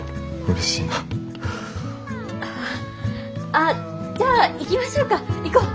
あっじゃあ行きましょうか行こう。